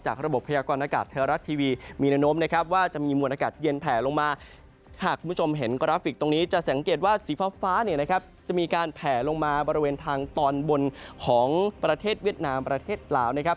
หากคุณผู้ชมเห็นกราฟิกตรงนี้จะสังเกตว่าสีฟ้าจะมีการแผลลงมาบริเวณทางตอนบนของประเทศเวียดนามประเทศลาวนะครับ